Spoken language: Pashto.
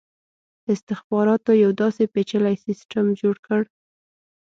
استخباراتو یو داسي پېچلی سسټم جوړ کړ.